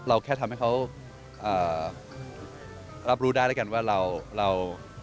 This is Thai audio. แค่ทำให้เขารับรู้ได้แล้วกันว่าเรา